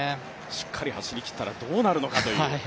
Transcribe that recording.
しっかり走りきったらどうなるのかという。